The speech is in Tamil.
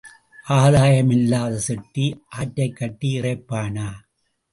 ஆதாயம் இல்லாத செட்டி ஆற்றைக் கட்டி இறைப்பானா?